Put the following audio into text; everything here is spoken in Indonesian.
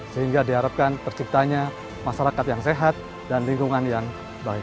sehingga diharapkan terciptanya masyarakat yang sehat dan lingkungan yang baik